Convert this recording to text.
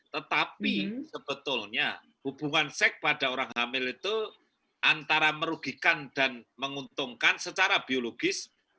tetapi sebetulnya hubungan seks pada orang hamil itu antara merugikan dan menguntungkan secara biologis